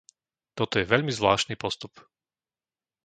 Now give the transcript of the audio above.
Toto je veľmi zvláštny postup.